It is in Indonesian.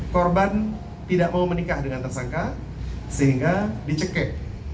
korban tidak mau menikah dengan tersangka sehingga dicekek